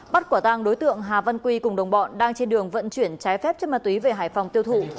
bắt quả tang đối tượng hà văn quy cùng đồng bọn đang trên đường vận chuyển trái phép chất ma túy về hải phòng tiêu thụ